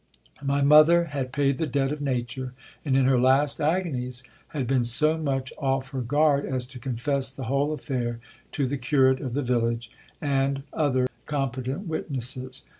My mother had paid the debt of nature, and in her last agonies had been so much off her guard as to confess the whole affair to the curate of the village and other com petent witnesses.